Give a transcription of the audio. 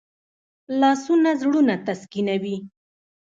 لاسونه زړونه تسکینوي